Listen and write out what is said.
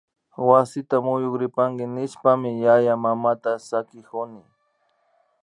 Wasita muyuripanki nishpami yayamamata sakikuni